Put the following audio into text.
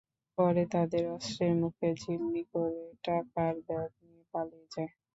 পরে তাঁদের অস্ত্রের মুখে জিম্মি করে টাকার ব্যাগ নিয়ে পালিয়ে যায়।